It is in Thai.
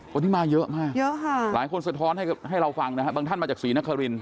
คนที่มาเยอะมากหลายคนเสียท้อนให้เราฟังนะครับบางท่านมาจากสวีนครินต์